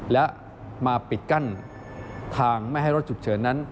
และมาปิดกั้นทางไม่ให้รถฉุกเฉินนั้น